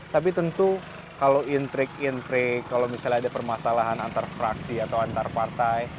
tapi tentu kalau intrik intrik kalau misalnya ada permasalahan antar fraksi atau antar partai